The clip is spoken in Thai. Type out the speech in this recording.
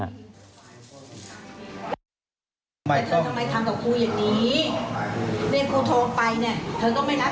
คุณก็นึกว่าเหมือนพระมะโปะที่แดดที่ไหนได้